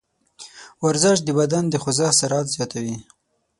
ورزش د بدن د خوځښت سرعت زیاتوي.